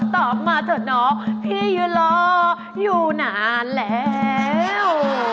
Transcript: ตอบมาเถอะเนาะพี่ยืนรออยู่นานแล้ว